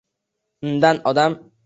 Undan odam